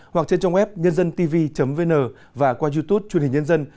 hoặc trên trang web nhândântv vn và qua youtube truyền hình nhân dân